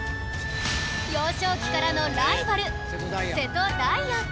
幼少期からのライバル瀬戸大也